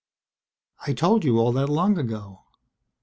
"I told you all that long ago.